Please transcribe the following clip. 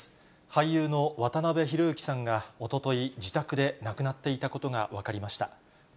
俳優の渡辺裕之さんがおととい、自宅で亡くなっていたことが分かりました。